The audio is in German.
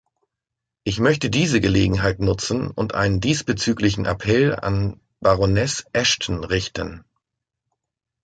Ich möchte diese Gelegenheit nutzen und einen diesbezüglichen Appell an Baroness Ashton richten.